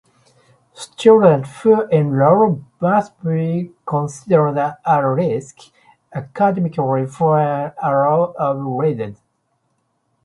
Students who enroll must be considered at risk academically for an array of reasons.